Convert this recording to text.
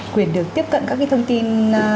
quyền được tiếp cận các thông tin